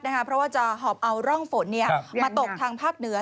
เพราะว่าจะหอบเอาร่องฝนมาตกทางภาคเหนือ